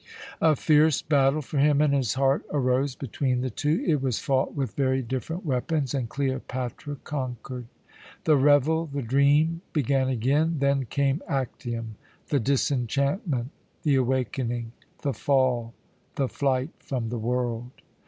"A fierce battle for him and his heart arose between the two. It was fought with very different weapons, and Cleopatra conquered. The revel, the dream began again. Then came Actium, the disenchantment, the awakening, the fall, the flight from the world.